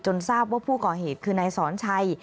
ทราบว่าผู้ก่อเหตุคือนายสอนชัย